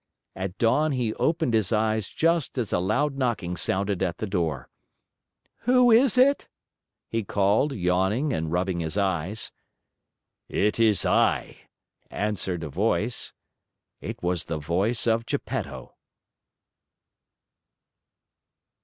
At dawn he opened his eyes just as a loud knocking sounded at the door. "Who is it?" he called, yawning and rubbing his eyes. "It is I," answered a voice. It was the voice of Geppetto.